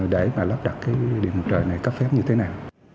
để mà lắp đặt cái điện mặt trời này cấp phép như thế nào